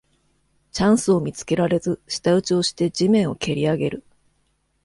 チャンスを見つけられず舌打ちをして地面をけりあげる